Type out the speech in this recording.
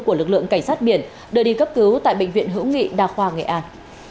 của lực lượng cảnh sát biển đưa đi cấp cứu tại bệnh viện hữu nghị đa khoa nghệ an